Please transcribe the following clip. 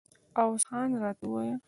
عوض خان راته ویل.